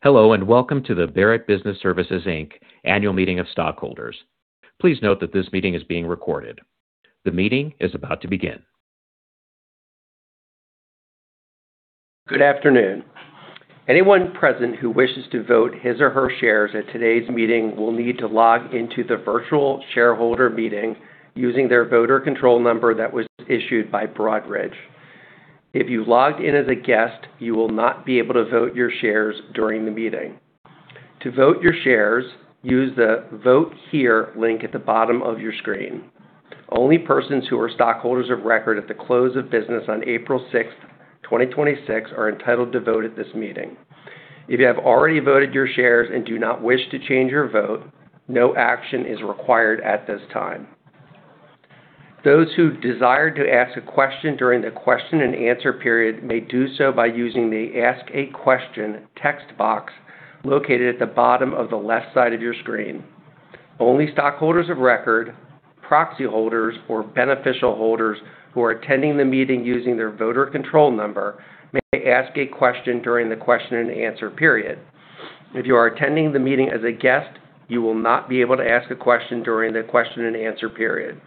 Hello, welcome to the Barrett Business Services, Inc Annual Meeting of Stockholders. Please note that this meeting is being recorded. The meeting is about to begin. Good afternoon. Anyone present who wishes to vote his or her shares at today's meeting will need to log in to the virtual shareholder meeting using their voter control number that was issued by Broadridge. If you logged in as a guest, you will not be able to vote your shares during the meeting. To vote your shares, use the Vote Here link at the bottom of your screen. Only persons who are stockholders of record at the close of business on April 6th, 2026 are entitled to vote at this meeting. If you have already voted your shares and do not wish to change your vote, no action is required at this time. Those who desire to ask a question during the question and answer period may do so by using the Ask a Question text box located at the bottom of the left side of your screen. Only stockholders of record, proxy holders, or beneficial holders who are attending the meeting using their voter control number may ask a question during the question and answer period. If you are attending the meeting as a guest, you will not be able to ask a question during the question and answer period.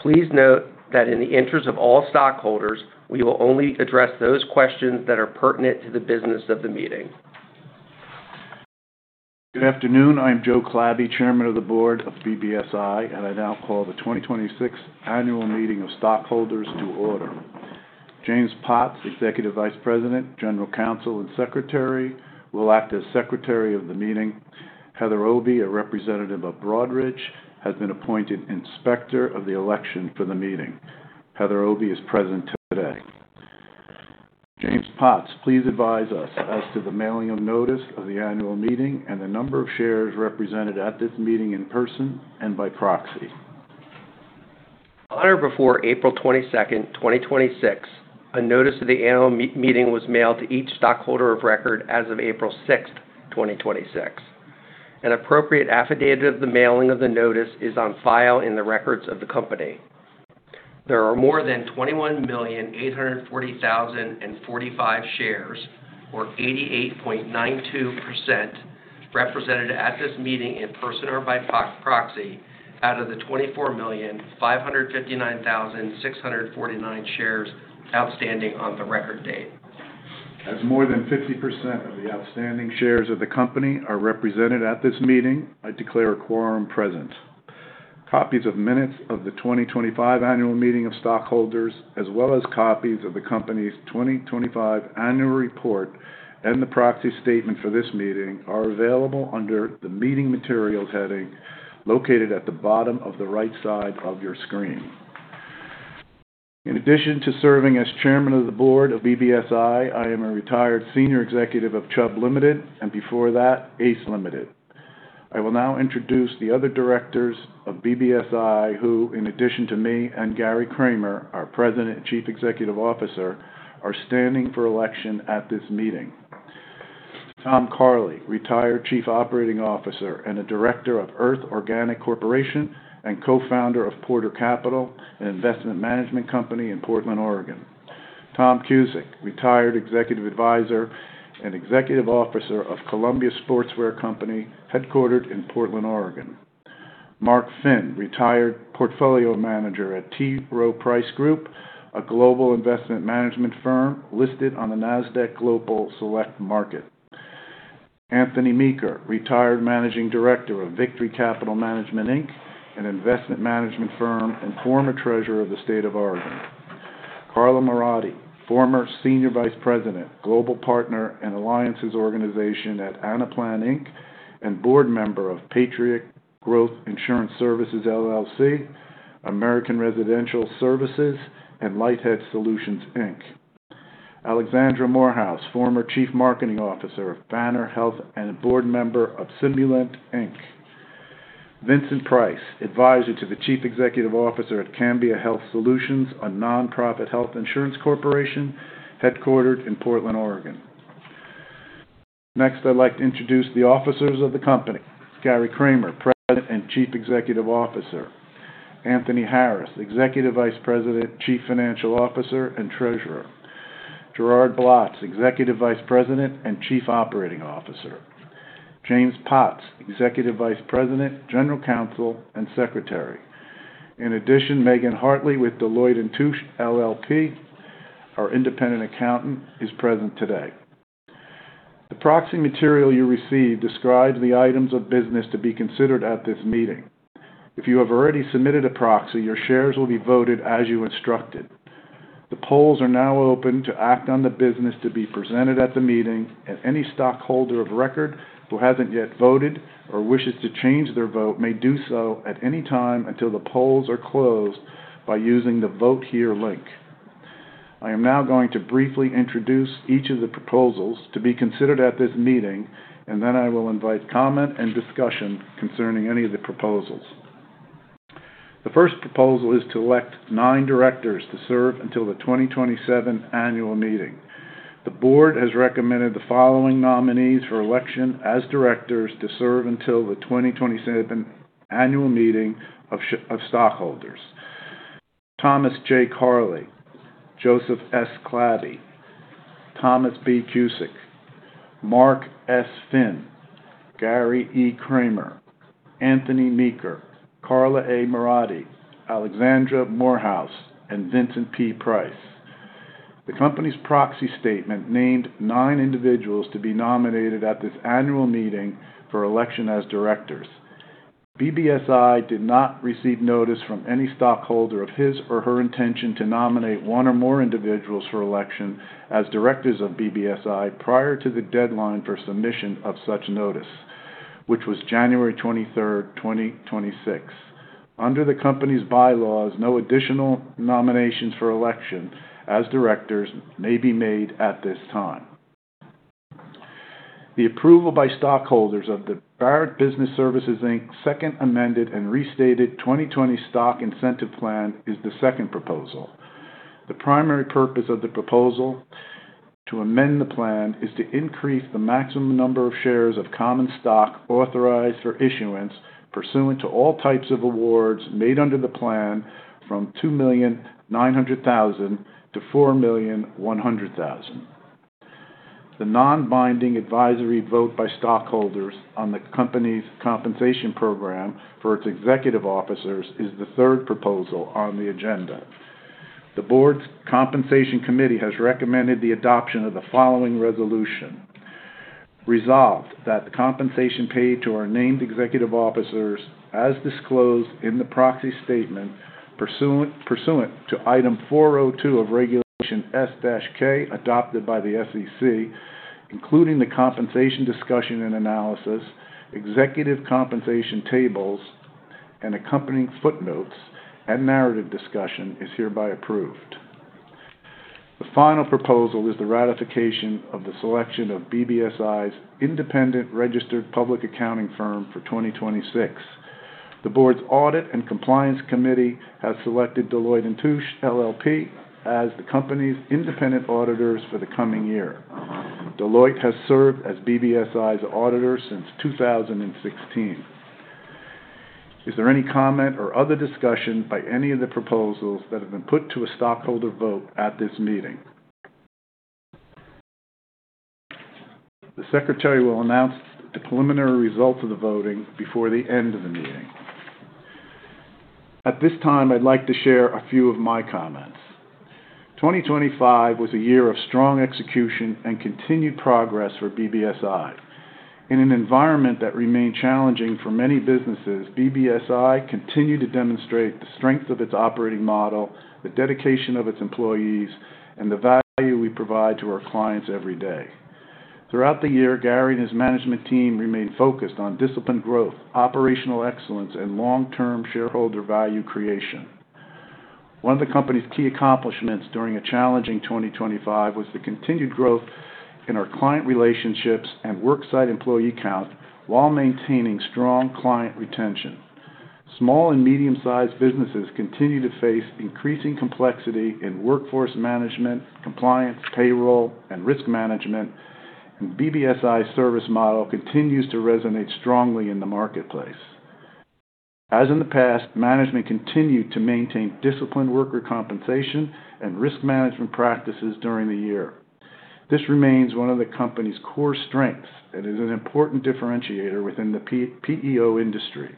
Please note that in the interest of all stockholders, we will only address those questions that are pertinent to the business of the meeting. Good afternoon. I am Joe Clabby, Chairman of the Board of BBSI. I now call the 2026 Annual Meeting of Stockholders to order. James Potts, Executive Vice President, General Counsel, and Secretary, will act as Secretary of the meeting. Heather Obi, a representative of Broadridge, has been appointed Inspector of the Election for the meeting. Heather Obi is present today. James Potts, please advise us as to the mailing of Notice of the Annual Meeting and the number of shares represented at this meeting in person and by proxy. On or before April 22nd, 2026, a Notice of the Annual Meeting was mailed to each stockholder of record as of April 6th, 2026. An appropriate Affidavit of the Mailing of the Notice is on file in the records of the company. There are more than 21,840,045 shares, or 88.92%, represented at this meeting in person or by proxy, out of the 24,559,649 shares outstanding on the record date. As more than 50% of the outstanding shares of the company are represented at this meeting, I declare a quorum present. Copies of minutes of the 2025 Annual Meeting of Stockholders, as well as copies of the company's 2025 Annual Report and the Proxy Statement for this meeting are available under the Meeting Materials heading, located at the bottom of the right side of your screen. In addition to serving as Chairman of the Board of BBSI, I am a retired Senior Executive of Chubb Limited, and before that, ACE Limited. I will now introduce the other directors of BBSI, who, in addition to me and Gary Kramer, our President and Chief Executive Officer, are standing for election at this meeting. Tom Carley, retired Chief Operating Officer and a Director of Earth Organic Corporation and Co-founder of Portal Capital, an investment management company in Portland, Oregon. Tom Cusick, retired Executive Advisor and Executive Officer of Columbia Sportswear Company, headquartered in Portland, Oregon. Mark Finn, retired Portfolio Manager at T. Rowe Price Group, a global investment management firm listed on the Nasdaq Global Select Market. Anthony Meeker, retired Managing Director of Victory Capital Management Inc, an investment management firm and former Treasurer of the State of Oregon. Carla Moradi, former Senior Vice President, Global Partner and Alliances Organization at Anaplan Inc and Board Member of Patriot Growth Insurance Services LLC, American Residential Services, and Lightedge Solutions, Inc. Alexandra Morehouse, former Chief Marketing Officer of Banner Health and a Board Member of Simulint, Inc. Vincent Price, Advisor to the Chief Executive Officer at Cambia Health Solutions, a non-profit health insurance corporation headquartered in Portland, Oregon. Next, I'd like to introduce the officers of the company. Gary Kramer, President and Chief Executive Officer. Anthony Harris, Executive Vice President, Chief Financial Officer, and Treasurer. Gerald Blotz, Executive Vice President and Chief Operating Officer. James Potts, Executive Vice President, General Counsel, and Secretary. In addition, Meghann Hartley with Deloitte & Touche LLP, our Independent Accountant, is present today. The proxy material you received describes the items of business to be considered at this meeting. If you have already submitted a proxy, your shares will be voted as you instructed. The polls are now open to act on the business to be presented at the meeting, and any stockholder of record who hasn't yet voted or wishes to change their vote may do so at any time until the polls are closed by using the Vote Here link. I am now going to briefly introduce each of the proposals to be considered at this meeting, and then I will invite comment and discussion concerning any of the proposals. The first proposal is to elect nine directors to serve until the 2027 Annual Meeting. The Board has recommended the following nominees for election as directors to serve until the 2027 Annual Meeting of Stockholders Thomas J. Carley, Joseph S. Clabby, Thomas B. Cusick, Mark S. Finn, Gary E. Kramer, Anthony Meeker, Carla A. Moradi, Alexandra Morehouse, and Vincent P. Price. The company's Proxy Statement named nine individuals to be nominated at this Annual Meeting for election as directors. BBSI did not receive notice from any stockholder of his or her intention to nominate one or more individuals for election as directors of BBSI prior to the deadline for submission of such notice, which was January 23rd, 2026. Under the company's bylaws, no additional nominations for election as directors may be made at this time. The approval by stockholders of the Barrett Business Services, Inc Second Amended and Restated 2020 Stock Incentive Plan is the second proposal. The primary purpose of the proposal to amend the plan is to increase the maximum number of shares of common stock authorized for issuance pursuant to all types of awards made under the plan from 2,900,000 to 4,100,000. The non-binding advisory vote by stockholders on the company's compensation program for its executive officers is the third proposal on the agenda. The Board's Compensation Committee has recommended the adoption of the following resolution. Resolved that the compensation paid to our named executive officers, as disclosed in the Proxy Statement pursuant to Item 402 of Regulation S-K adopted by the SEC, including the compensation discussion and analysis, executive compensation tables, and accompanying footnotes and narrative discussion, is hereby approved. The final proposal is the ratification of the selection of BBSI's independent registered public accounting firm for 2026. The Board's Audit and Compliance committee has selected Deloitte & Touche LLP as the company's independent auditors for the coming year. Deloitte has served as BBSI's auditor since 2016. Is there any comment or other discussion by any of the proposals that have been put to a stockholder vote at this meeting? The Secretary will announce the preliminary results of the voting before the end of the meeting. At this time, I'd like to share a few of my comments. 2025 was a year of strong execution and continued progress for BBSI. In an environment that remained challenging for many businesses, BBSI continued to demonstrate the strength of its operating model, the dedication of its employees, and the value we provide to our clients every day. Throughout the year, Gary and his management team remained focused on disciplined growth, operational excellence, and long-term shareholder value creation. One of the company's key accomplishments during a challenging 2025 was the continued growth in our client relationships and work site employee count while maintaining strong client retention. Small and medium-sized businesses continue to face increasing complexity in workforce management, compliance, payroll, and risk management, BBSI's service model continues to resonate strongly in the marketplace. As in the past, management continued to maintain disciplined worker compensation and risk management practices during the year. This remains one of the company's core strengths and is an important differentiator within the PEO industry.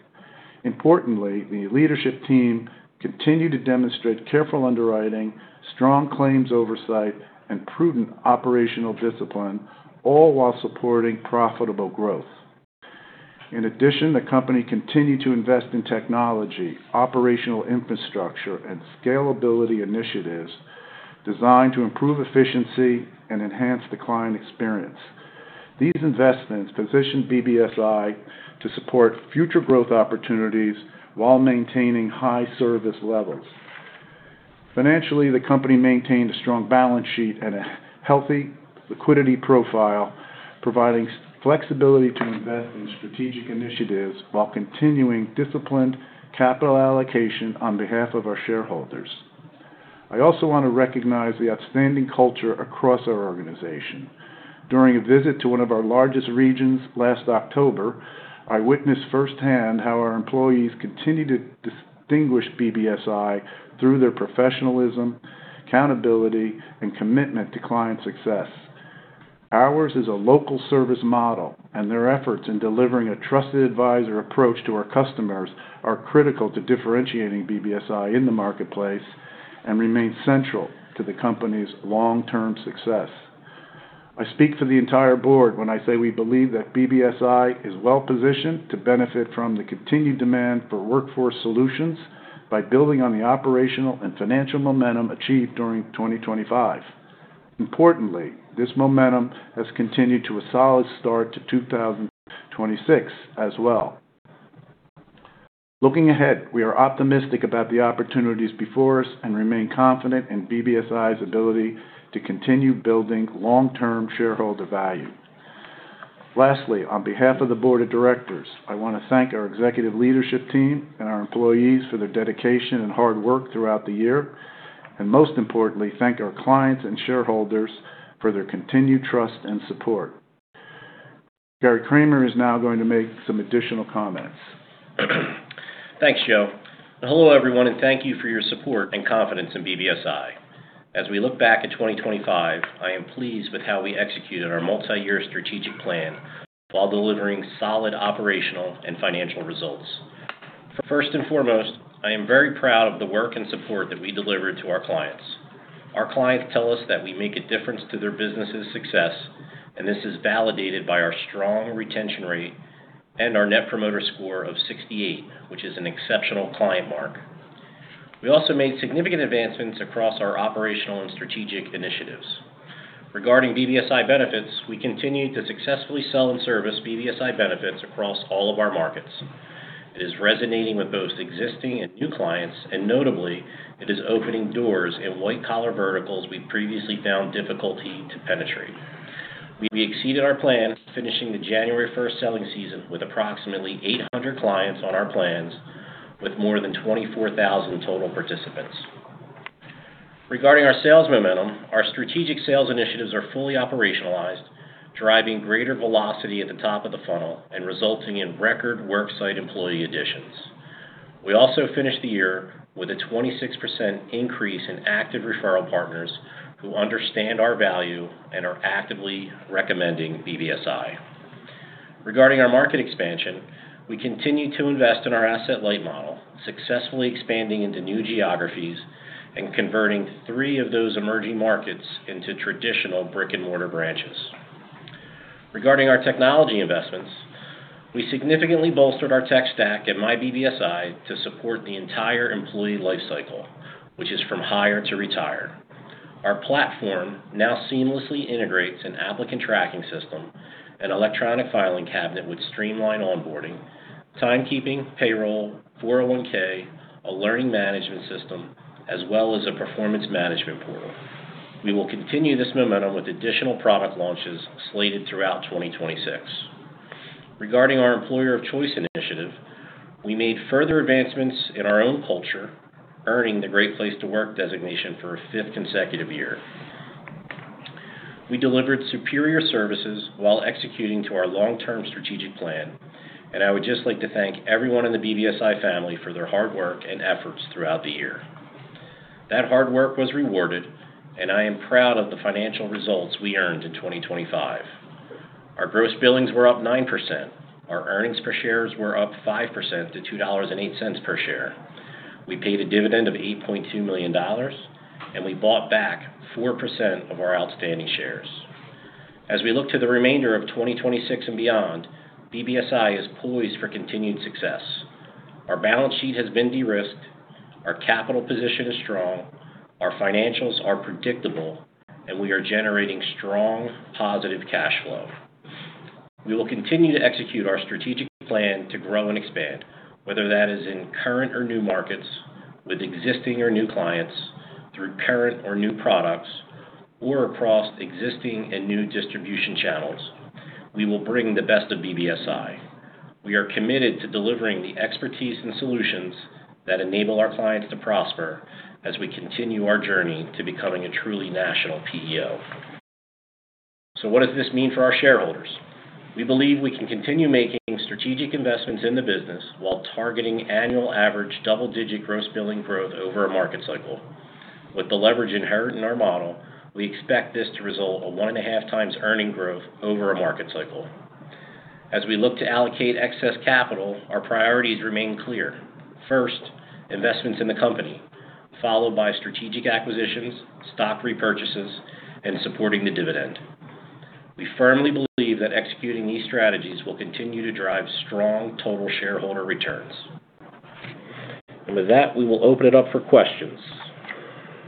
Importantly, the leadership team continued to demonstrate careful underwriting, strong claims oversight, and prudent operational discipline, all while supporting profitable growth. The company continued to invest in technology, operational infrastructure, and scalability initiatives designed to improve efficiency and enhance the client experience. These investments position BBSI to support future growth opportunities while maintaining high service levels. Financially, the company maintained a strong balance sheet and a healthy liquidity profile, providing flexibility to invest in strategic initiatives while continuing disciplined capital allocation on behalf of our shareholders. I want to recognize the outstanding culture across our organization. During a visit to one of our largest regions last October, I witnessed firsthand how our employees continue to distinguish BBSI through their professionalism, accountability, and commitment to client success. Ours is a local service model, and their efforts in delivering a trusted advisor approach to our customers are critical to differentiating BBSI in the marketplace and remain central to the company's long-term success. I speak for the entire Board when I say we believe that BBSI is well-positioned to benefit from the continued demand for workforce solutions by building on the operational and financial momentum achieved during 2025. Importantly, this momentum has continued to a solid start to 2026 as well. Looking ahead, we are optimistic about the opportunities before us and remain confident in BBSI's ability to continue building long-term shareholder value. Lastly, on behalf of the Board of Directors, I want to thank our executive leadership team and our employees for their dedication and hard work throughout the year. Most importantly, thank our clients and shareholders for their continued trust and support. Gary Kramer is now going to make some additional comments. Thanks, Joe. Hello, everyone, and thank you for your support and confidence in BBSI. As we look back at 2025, I am pleased with how we executed our multi-year strategic plan while delivering solid operational and financial results. First and foremost, I am very proud of the work and support that we delivered to our clients. Our clients tell us that we make a difference to their business' success. This is validated by our strong retention rate and our Net Promoter Score of 68, which is an exceptional client mark. We also made significant advancements across our operational and strategic initiatives. Regarding BBSI Benefits, we continue to successfully sell and service BBSI Benefits across all of our markets. It is resonating with both existing and new clients. Notably, it is opening doors in white-collar verticals we previously found difficulty to penetrate. We exceeded our plan, finishing the January 1st selling season with approximately 800 clients on our plans, with more than 24,000 total participants. Regarding our sales momentum, our strategic sales initiatives are fully operationalized, driving greater velocity at the top of the funnel and resulting in record worksite employee additions. We also finished the year with a 26% increase in active referral partners who understand our value and are actively recommending BBSI. Regarding our market expansion, we continue to invest in our asset-light model, successfully expanding into new geographies and converting three of those emerging markets into traditional brick-and-mortar branches. Regarding our technology investments, we significantly bolstered our tech stack at myBBSI to support the entire employee life cycle, which is from hire to retire. Our platform now seamlessly integrates an applicant tracking system, an electronic filing cabinet with streamlined onboarding, timekeeping, payroll, 401(k), a learning management system, as well as a performance management portal. We will continue this momentum with additional product launches slated throughout 2026. Regarding our Employer of Choice initiative, we made further advancements in our own culture, earning the Great Place to Work designation for a fifth consecutive year. We delivered superior services while executing to our long-term strategic plan. I would just like to thank everyone in the BBSI family for their hard work and efforts throughout the year. That hard work was rewarded. I am proud of the financial results we earned in 2025. Our gross billings were up 9%. Our earnings per shares were up 5% to $2.08 per share. We paid a dividend of $8.2 million, and we bought back 4% of our outstanding shares. As we look to the remainder of 2026 and beyond, BBSI is poised for continued success. Our balance sheet has been de-risked, our capital position is strong, our financials are predictable, and we are generating strong, positive cash flow. We will continue to execute our strategic plan to grow and expand, whether that is in current or new markets, with existing or new clients, through current or new products, or across existing and new distribution channels. We will bring the best of BBSI. We are committed to delivering the expertise and solutions that enable our clients to prosper as we continue our journey to becoming a truly national PEO. What does this mean for our shareholders? We believe we can continue making strategic investments in the business while targeting annual average double-digit gross billing growth over a market cycle. With the leverage inherent in our model, we expect this to result a 1.5x earning growth over a market cycle. As we look to allocate excess capital, our priorities remain clear. First, investments in the company, followed by strategic acquisitions, stock repurchases, and supporting the dividend. We firmly believe that executing these strategies will continue to drive strong total shareholder returns. With that, we will open it up for questions.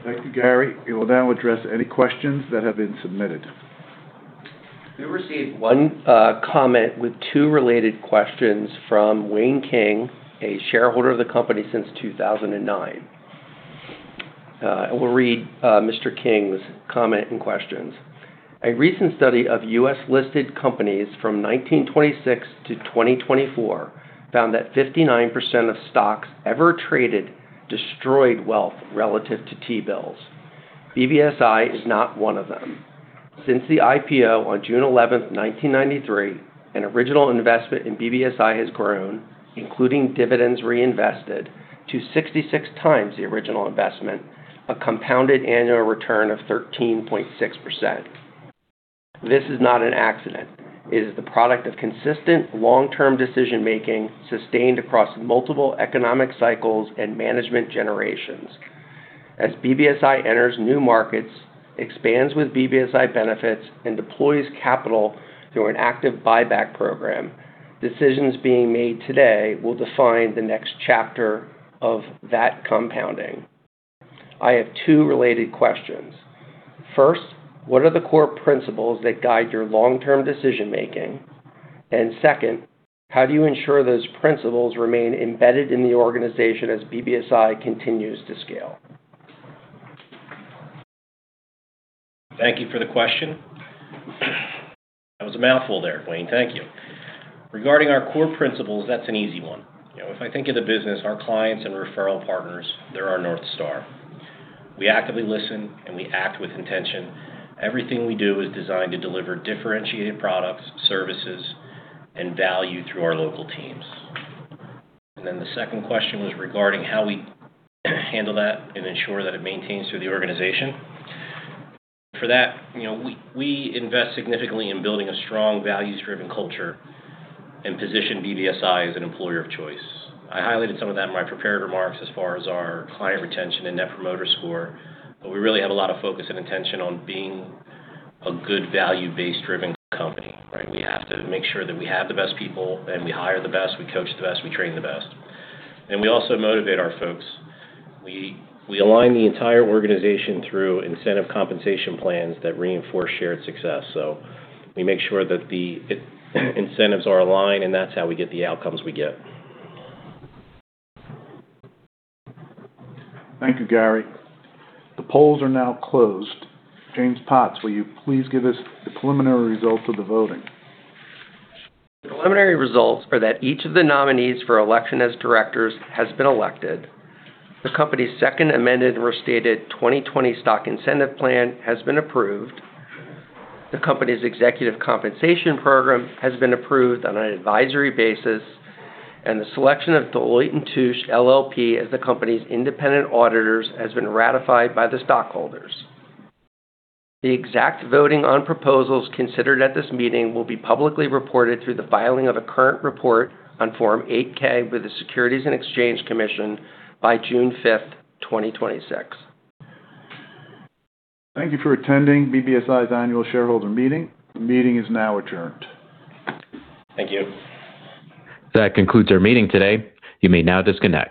Thank you, Gary. We will now address any questions that have been submitted. We received one comment with two related questions from Wayne King, a shareholder of the company since 2009. I will read Mr. King's comment and questions. A recent study of U.S.-listed companies from 1926 to 2024 found that 59% of stocks ever traded destroyed wealth relative to T-bills. BBSI is not one of them. Since the IPO on June 11th, 1993, an original investment in BBSI has grown, including dividends reinvested, to 66x the original investment, a compounded annual return of 13.6%. This is not an accident. It is the product of consistent long-term decision-making, sustained across multiple economic cycles and management generations. As BBSI enters new markets, expands with BBSI Benefits, and deploys capital through an active buyback program, decisions being made today will define the next chapter of that compounding. I have two related questions. First, what are the core principles that guide your long-term decision-making? Second, how do you ensure those principles remain embedded in the organization as BBSI continues to scale? Thank you for the question. That was a mouthful there, Wayne. Thank you. Regarding our core principles, that's an easy one. If I think of the business, our clients and referral partners, they're our North Star. We actively listen, we act with intention. Everything we do is designed to deliver differentiated products, services, and value through our local teams. The second question was regarding how we handle that and ensure that it maintains through the organization. For that, we invest significantly in building a strong values-driven culture and position BBSI as an Employer of Choice. I highlighted some of that in my prepared remarks as far as our client retention and Net Promoter Score, we really have a lot of focus and intention on being a good value base-driven company, right? We have to make sure that we have the best people, and we hire the best, we coach the best, we train the best. We also motivate our folks. We align the entire organization through incentive compensation plans that reinforce shared success. We make sure that the incentives are aligned, and that's how we get the outcomes we get. Thank you, Gary. The polls are now closed. James Potts, will you please give us the preliminary results of the voting? The preliminary results are that each of the nominees for election as directors has been elected. The company's Second Amended and Restated 2020 Stock Incentive Plan has been approved. The company's executive compensation program has been approved on an advisory basis. The selection of Deloitte & Touche LLP, as the company's independent auditors, has been ratified by the stockholders. The exact voting on proposals considered at this meeting will be publicly reported through the filing of a current report on Form 8-K with the Securities and Exchange Commission by June 5th, 2026. Thank you for attending BBSI's Annual Shareholder Meeting. The meeting is now adjourned. Thank you. That concludes our meeting today. You may now disconnect.